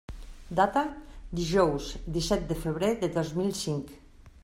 Data: dijous, disset de febrer de dos mil cinc.